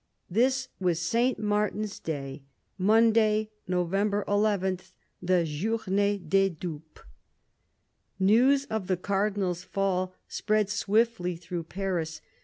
This was St. Martin's Day, Monday, November 11, the " Journee des Dupes." News of the Cardinal's fall spread swiftly through Paris.